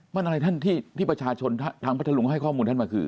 มันอะไรท่านที่ประชาชนทางพัทธรุงให้ข้อมูลท่านมาคือ